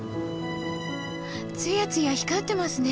ツヤツヤ光ってますね。